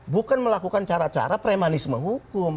bukan melakukan cara cara premanisme hukum